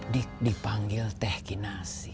dik dipanggil teh kinasi